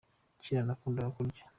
kera nakundaga kurya